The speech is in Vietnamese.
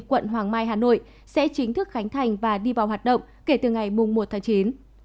quận hoàng mai hà nội sẽ chính thức khánh thành và đi vào hoạt động kể từ ngày một tháng chín